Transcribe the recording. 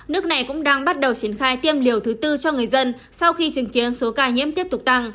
nước này cũng đang bắt đầu triển khai tiêm liều thứ tư cho người dân sau khi chứng kiến số ca nhiễm tiếp tục tăng